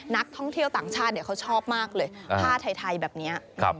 นักท่องเที่ยวต่างชาติเขาชอบมากเลยผ้าไทยแบบนี้